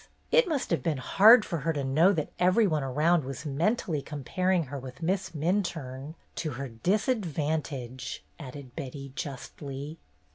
It must have been hard for her to know that every one around was mentally comparing her with Miss Min turne, to her disadvantage," added Betty, justly.